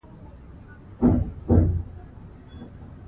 په ما ډکي خزانې دي لوی بانکونه